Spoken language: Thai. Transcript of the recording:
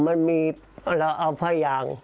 มันมีเราเอาผ้ายาง